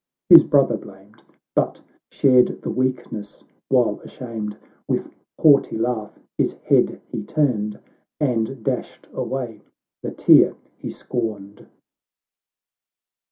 — bis brother blamed, But shared the weakness, while ashamed, "With haughty laugh his head he turned, And dashed away the tear he scorned.